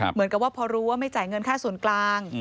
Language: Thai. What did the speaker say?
เหมือนกับว่าพอรู้ว่าไม่จ่ายเงินค่าส่วนกลาง